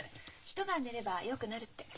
一晩寝ればよくなるって。